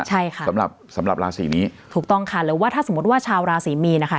ใช่ค่ะสำหรับสำหรับราศีนี้ถูกต้องค่ะหรือว่าถ้าสมมุติว่าชาวราศรีมีนนะคะ